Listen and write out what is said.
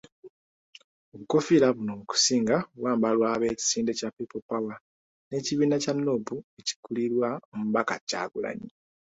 Obukoofiira buno okusinga bwambalwa ab'ekisinde kya People Power n'ekibiina kya Nuupu ekikulirwa Omubaka Kyagulanyi.